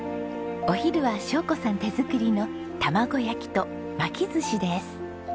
お昼は晶子さん手作りの卵焼きと巻きずしです。